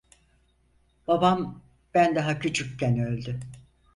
Babam, ben daha küçükken öldü.